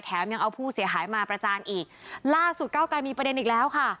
ยังเอาผู้เสียหายมาประจานอีกล่าสุดเก้าไกรมีประเด็นอีกแล้วค่ะ